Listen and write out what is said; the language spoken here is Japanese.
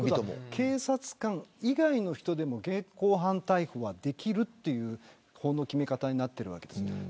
警察官以外の人でも現行犯逮捕はできるという法の決め方になっているわけです。